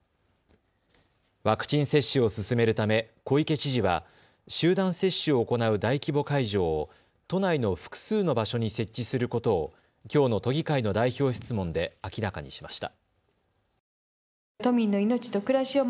ワクチン接種を進めるため小池知事は集団接種を行う大規模会場を都内の複数の場所に設置することをきょうの都議会の代表質問で明らかにしました。